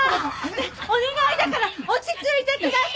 お願いだから落ち着いてください！